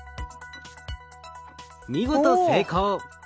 見事成功。